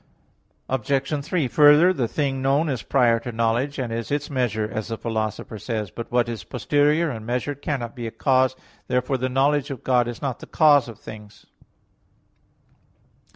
Obj. 3: Further, "The thing known is prior to knowledge, and is its measure," as the Philosopher says (Metaph. x). But what is posterior and measured cannot be a cause. Therefore the knowledge of God is not the cause of things.